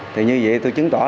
thì như vậy tôi chứng tỏ